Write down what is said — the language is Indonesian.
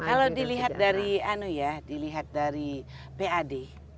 kalau dilihat dari pad